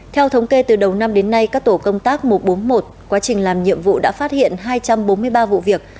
theo thống kê từ đầu năm đến nay các tổ công tác một trăm bốn mươi một quá trình làm nhiệm vụ đã phát hiện hai trăm bốn mươi ba vụ việc